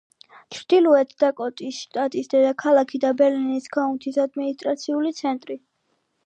ჩრდილოეთ დაკოტის შტატის დედაქალაქი და ბერლის ქაუნთის ადმინისტრაციული ცენტრი.